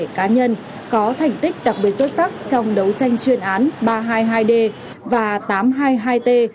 cho các tập thể cá nhân có thành tích đặc biệt xuất sắc trong đấu tranh chuyên án ba trăm hai mươi hai d và tám trăm hai mươi hai t